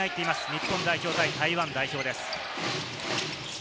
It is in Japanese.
日本代表対台湾代表です。